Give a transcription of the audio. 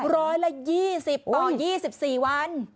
ร้อยละเท่าไหร่นะฮะร้อยละ๒๐ต่อ๒๔วัน